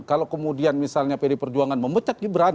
kalau kemudian misalnya pd perjuangan memecat gibran